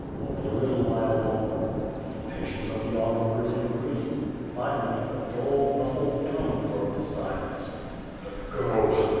Only a little while longer. The impatience of the onlookers increased. Finally, a dull, muffled tone broke the silence. "Let go.'